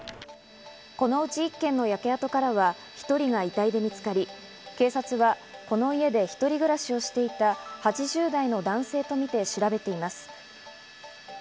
このうち１軒の焼け跡からは１人が遺体で見つかり、警察はこの家で一人暮らしをしていた８０代の男性とみて調べています。